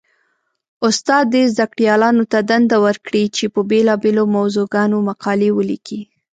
استاد دې زده کړيالانو ته دنده ورکړي؛ چې په بېلابېلو موضوعګانو مقالې وليکي.